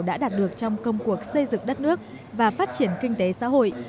đã đạt được trong công cuộc xây dựng đất nước và phát triển kinh tế xã hội